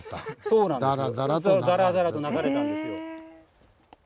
そうなんですよ。